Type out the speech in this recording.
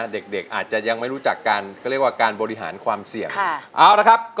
เด็กอาจจะยังไม่รู้จักการก็เรียกว่าการบริหารความเสี่ยง